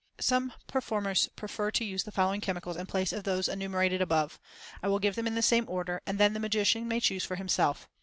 Some performers prefer to use the following chemicals in place of those enumerated above. I will give them in the same order, and then the magician may choose for himself.